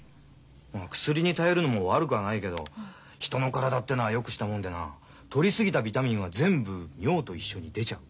薬に頼るのも悪くはないけど人の体ってのはよくしたもんでなとり過ぎたビタミンは全部尿と一緒に出ちゃう。